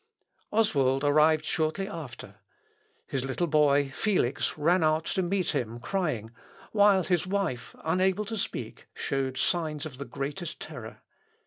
Oswald arrived shortly after. His little boy, Felix, ran out to meet him crying, while his wife, unable to speak, showed signs of the greatest terror.